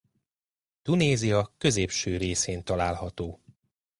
Tunézia középső részén található.